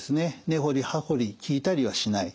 根掘り葉掘り聞いたりはしない